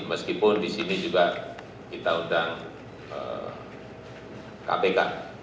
meskipun di sini juga kita undang kpk